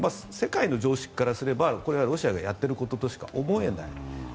世界の常識からすればこれはロシアがやっていることとしか思えない。